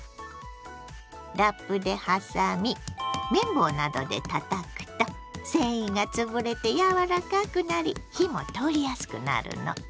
ラップで挟み麺棒などでたたくと繊維がつぶれてやわらかくなり火も通りやすくなるの。